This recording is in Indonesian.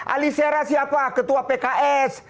alisera siapa ketua pks